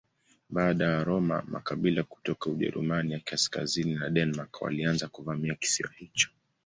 Baada ya Waroma makabila kutoka Ujerumani ya kaskazini na Denmark walianza kuvamia kisiwa hicho.